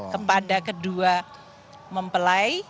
kepada kedua mempelai